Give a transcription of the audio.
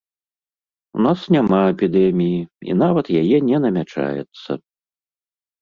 У нас няма эпідэміі і нават яе не намячаецца.